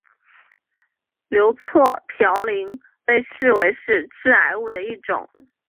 硫唑嘌呤被视为是致癌物的一种。